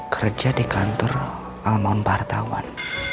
kerja di kantor alam mempartawan